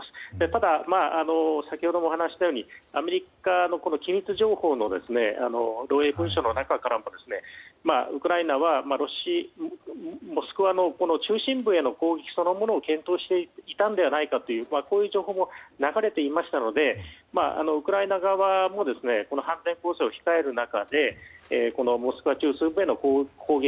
ただ、先ほどもお話ししたようにアメリカの機密情報の漏洩文書の中からもウクライナは、モスクワの中心部への攻撃そのものを検討していたのではないかという情報も流れていましたのでウクライナ側も反転攻勢を控える中でモスクワ中枢部への攻撃